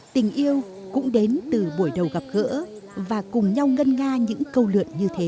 tình yêu cũng đến từ buổi đầu gặp gỡ và cùng nhau ngân nga những câu lượn như thế